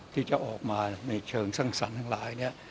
ที่จะออกมาในเชิงสร้างสรรค์ทั้งหลายเนี่ย